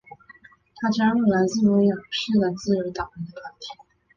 他加入来自威尔士的自由党人的团体。